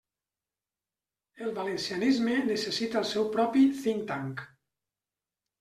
El valencianisme necessita el seu propi think tank.